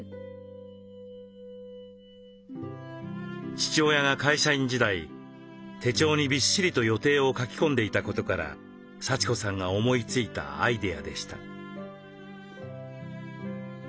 父親が会社員時代手帳にビッシリと予定を書き込んでいたことから幸子さんが思いついたアイデアでした。